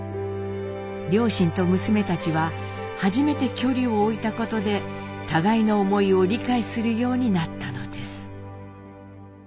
両親と娘たちは初めて距離を置いたことで互いの思いを理解するようになったのです。